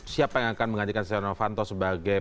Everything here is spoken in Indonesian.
siapa yang akan mengajakkan surya novanto sebagai